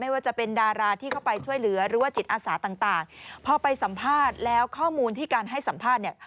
ว่าจะเป็นดาราที่เข้าไปช่วยเหลือหรือว่าจิตอาสาต่างพอไปสัมภาษณ์แล้วข้อมูลที่การให้สัมภาษณ์เนี่ย